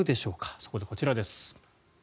そこでこちらです。